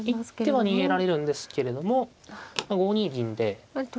一手は逃げられるんですけれども５二銀で。